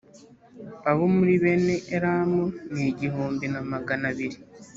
abo muri bene elamu ni igihumbi na magana abiri